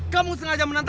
kamu sengaja menantangku